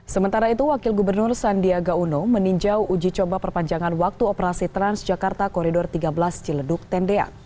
sementara itu wakil gubernur sandiaga uno meninjau uji coba perpanjangan waktu operasi transjakarta koridor tiga belas ciledug tendean